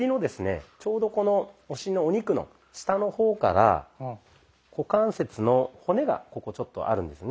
ちょうどこのお尻のお肉の下の方から股関節の骨がここちょっとあるんですね。